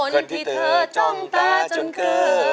คนที่เธอจ้องตาจนเกอร์